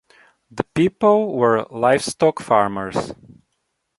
The people were livestock farmers.